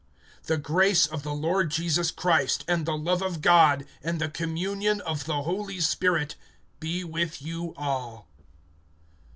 (14)The grace of the Lord Jesus Christ, and the love of God, and the communion of the Holy Spirit, be with you all.